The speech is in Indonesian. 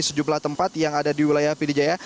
sejumlah tempat yang ada di wilayah pidijaya